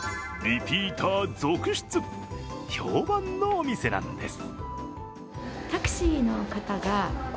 リピーター続出、評判のお店なんです。